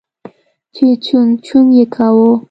چې چونگ چونگ يې کاوه.